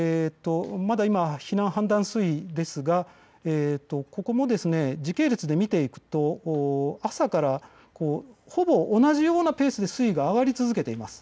避難判断水位ですがここも時系列で見ていくと朝からほぼ同じようなペースで水位が上がり続けています。